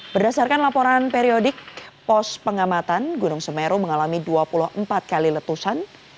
berdasarkan laporan periodik pos pengamatan gunung semeru mengalami dua puluh empat kali letusan